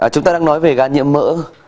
chúng ta đang nói về gán nhiễm mỡ